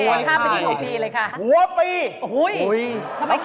โอเคข้ามไปที่หัวปีเลยค่ะ